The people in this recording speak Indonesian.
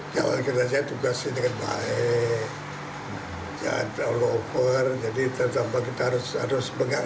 kalau kita tugas dengan baik jangan terlalu over jadi kita harus menghargai sedior sedior kawan kawan lainnya itu